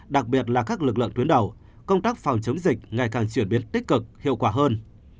đặc biệt là các lực lượng tuyến đầu công tác phòng chống dịch ngày càng chuyển biến tích cực hiệu quả hơn